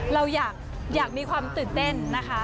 เราอยากมีความตื่นเต้นนะคะ